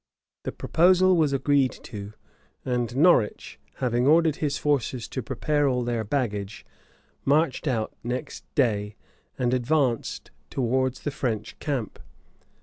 The proposal was agreed to; and Norwich, having ordered his forces to prepare all their baggage, marched out next day, and advanced towards the French camp.